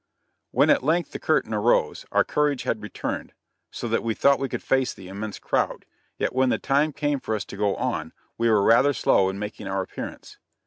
When, at length the curtain arose, our courage had returned, so that we thought we could face the immense crowd; yet when the time came for us to go on, we were rather slow in making our appearance.